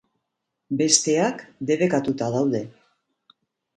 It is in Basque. Besteak, debekatuta daude.